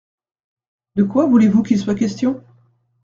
De quoi voulez-vous qu’il soit question ?